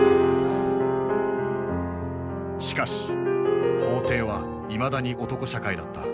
しかし法廷はいまだに男社会だった。